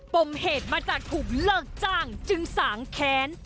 ปมเหตุมาจากถูกเลิกจ้างจึงสางแค้น